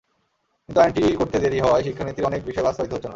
কিন্তু আইনটি করতে দেরি হওয়ায় শিক্ষানীতির অনেক বিষয় বাস্তবায়িত হচ্ছে না।